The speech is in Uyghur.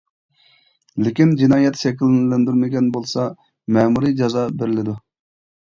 لېكىن جىنايەت شەكىللەندۈرمىگەن بولسا، مەمۇرىي جازا بېرىلىدۇ.